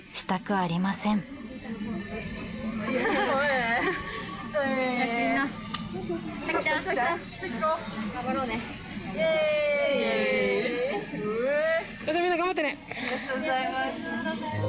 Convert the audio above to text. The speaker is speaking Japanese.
ありがとうございます。